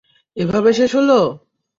এভাবে শেষ হলো?